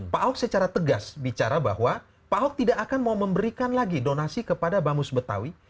pak ahok secara tegas bicara bahwa pak ahok tidak akan mau memberikan lagi donasi kepada bamus betawi